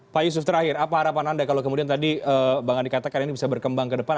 pak yusuf terakhir apa harapan anda kalau kemudian tadi bang andi katakan ini bisa berkembang ke depan